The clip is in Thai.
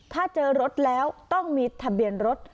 ถ้าเจอรถแล้วต้องมีทะเบียนรถ